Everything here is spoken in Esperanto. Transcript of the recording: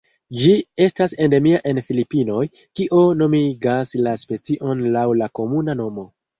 Ĝi estas endemia de Filipinoj, kio nomigas la specion laŭ la komuna nomo.